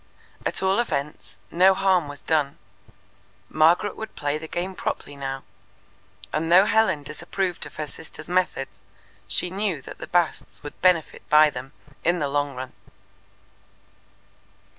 At all events, no harm was done. Margaret would play the game properly now, and though Helen disapproved of her sister's methods, she knew that the Basts would benefit by them in the long run.